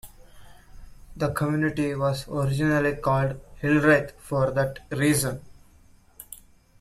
The community was originally called Hildreth for that reason.